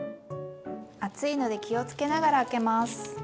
熱いので気をつけながら開けます。